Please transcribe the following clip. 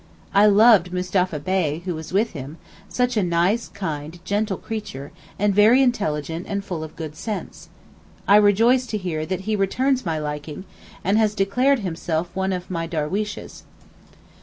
I loved Mustapha Bey, who was with him; such a nice, kind, gentle creature, and very intelligent and full of good sense. I rejoice to hear that he returns my liking, and has declared himself 'one of my darweeshes.